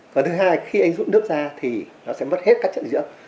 còn thứ hai khi anh rút nước ra thì nó sẽ mất hết các chất dinh dưỡng